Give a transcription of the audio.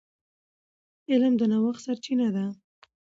علم د نوښت سرچینه ده.